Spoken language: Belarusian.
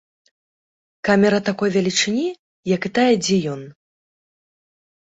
Камера такой велічыні, як і тая, дзе ён.